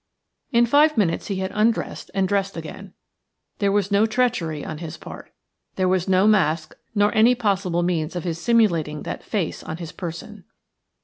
In five minutes he had undressed and dressed again. There was no treachery on his part. There was no mask nor any possible means of his simulating that face on his person.